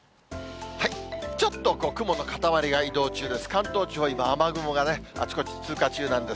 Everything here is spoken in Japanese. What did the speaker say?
ちょっと雲の固まりが移動中です。